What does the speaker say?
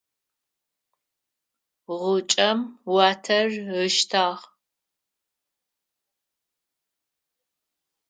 Гъукӏэм уатэр ыштагъ.